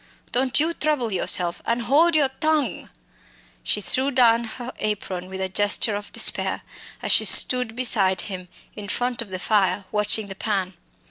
Don't you trouble yourself an' hold your tongue!" She threw down her apron with a gesture of despair as she stood beside him, in front of the fire, watching the pan.